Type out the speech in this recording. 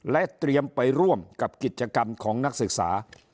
และเตรียมไปร่วมกับกิจกรรมของนักศึกษา